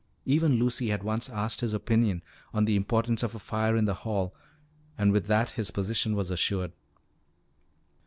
Even Lucy had once asked his opinion on the importance of a fire in the hall, and with that his position was assured.